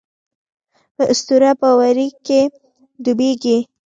په اسطوره باورۍ کې ډوبېږي.